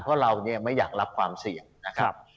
เพราะเราเนี่ยไม่อยากรับความเสี่ยงนะครับ